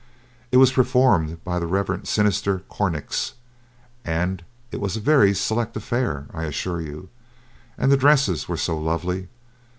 It was performed by the Rev. Sinister Cornix, and it was a very select affair, I assure you, and the dresses were so lovely.